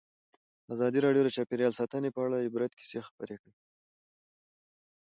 ازادي راډیو د چاپیریال ساتنه په اړه د عبرت کیسې خبر کړي.